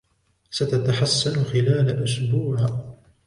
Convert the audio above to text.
ستتحسن خلال أسبوع.